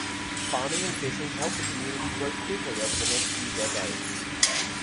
Farming and fishing helped the community grow quickly over the next few decades.